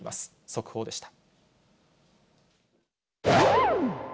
速報でした。